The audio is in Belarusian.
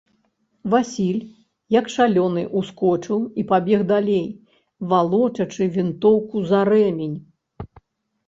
Васіль, як шалёны, ускочыў і пабег далей, валочачы вінтоўку за рэмень.